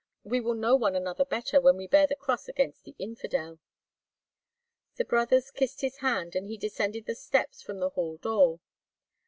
We will know one another better when we bear the cross against the infidel." The brothers kissed his hand, and he descended the steps from the hall door.